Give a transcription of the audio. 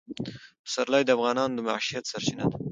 پسرلی د افغانانو د معیشت سرچینه ده.